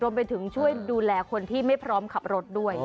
ไปถึงช่วยดูแลคนที่ไม่พร้อมขับรถด้วย